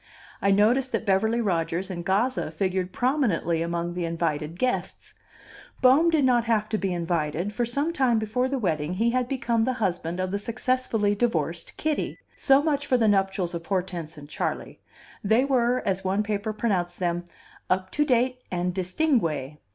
I noticed that Beverly Rodgers and Gazza figured prominently among the invited guests: Bohm did not have to be invited, for some time before the wedding he had become the husband of the successfully divorced Kitty. So much for the nuptials of Hortense and Charley; they were, as one paper pronounced them, "up to date and distingue."